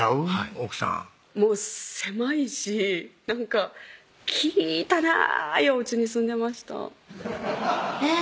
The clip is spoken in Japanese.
奥さんもう狭いしなんか汚いおうちに住んでましたえぇっ？